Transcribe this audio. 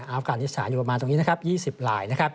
อัฟกานิสถานอยู่ประมาณตรงนี้๒๐ราย